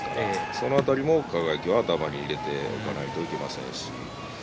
その辺りも輝は頭に入れておかなければいけません。